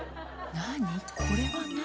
何？